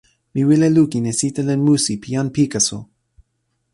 mi wile lukin e sitelen musi pi jan Pikaso.